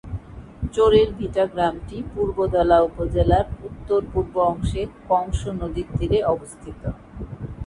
চোরের ভিটা গ্রামটি পূর্বধলা উপজেলার উত্তর-পূর্ব অংশে কংস নদীর তীরে অবস্থিত।